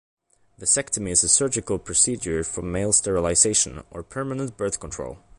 Vasectomy is a surgical procedure for male sterilization or permanent birth control.